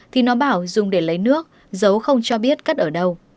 thì nó bảo dùng để lấy nước giấu không cho biết cất ở đâu